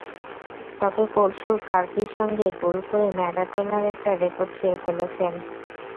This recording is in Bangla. তবে পরশু কারপির সঙ্গে গোল করে ম্যারাডোনার একটা রেকর্ড ছুঁয়ে ফেলেছেন।